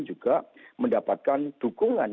juga mendapatkan dukungan